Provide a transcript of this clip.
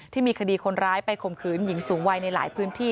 ที่มีคดีคนร้ายไปข่มขืนหญิงสูงวัยในหลายพื้นที่